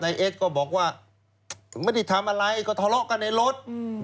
เอ็กซก็บอกว่าไม่ได้ทำอะไรก็ทะเลาะกันในรถ